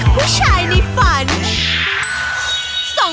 ผู้ชายในฝัน